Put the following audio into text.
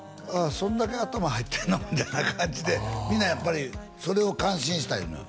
そんだけ頭入ってんのみたいな感じでみんなやっぱりそれを感心した言うのよ